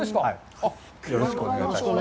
よろしくお願いします。